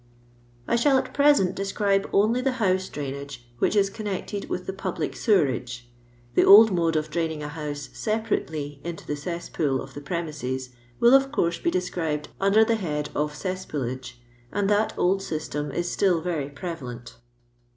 I shaJl at preKnt describe only the house drainage, which is connected with the public sewerage. The old mode of draining a house separately into the cesspool of the premises will, of course, be described under the head of cess poolage, and that old system is still very pre valent.